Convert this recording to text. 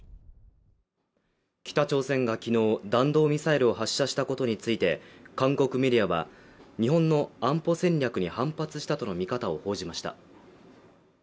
北朝鮮が昨日、弾道ミサイルを発射したことについて韓国メディアは、日本の安保戦略に反発したとの見方を報じました。